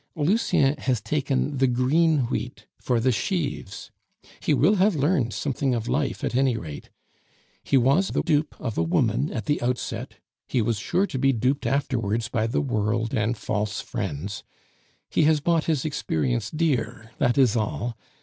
Lucien has taken the green wheat for the sheaves. He will have learned something of life, at any rate. He was the dupe of a woman at the outset; he was sure to be duped afterwards by the world and false friends. He has bought his experience dear, that is all.